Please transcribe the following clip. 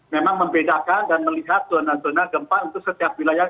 memang membedakan dan melihat zona zona gempa untuk setiap wilayah